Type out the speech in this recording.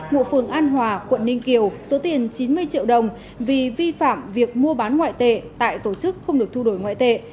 ngụ phường an hòa quận ninh kiều số tiền chín mươi triệu đồng vì vi phạm việc mua bán ngoại tệ tại tổ chức không được thu đổi ngoại tệ